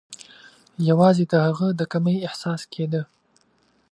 یوازي د هغه د کمۍ احساس کېده.